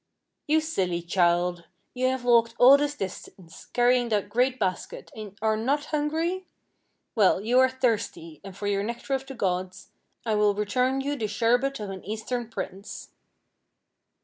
"You silly child! You have walked all this distance, carrying that great basket, and are not hungry? Well, you are thirsty, and for your nectar of the gods, I will return you the sherbet of an eastern prince."